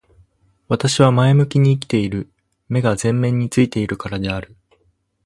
私は前向きに生きている。目が前面に付いているからである。